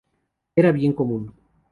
Era bien común.